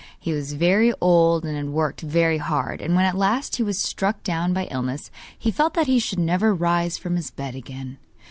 He was very old, and had worked very hard, and when at last he was struck down by illness he felt that he should never rise from his bed again.